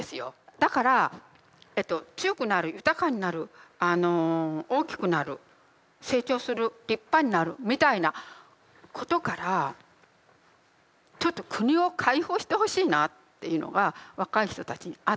だから強くなる豊かになる大きくなる成長する立派になるみたいなことからちょっと国を解放してほしいなっていうのは若い人たちにあって。